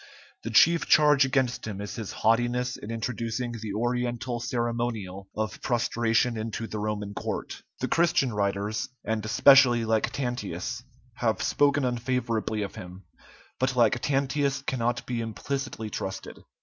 The chief charge against him is his haughtiness in introducing the Oriental ceremonial of prostration into the Roman court. The Christian writers, and especially Lactantius, have spoken unfavorably of him; but Lactantius cannot be implicitly trusted.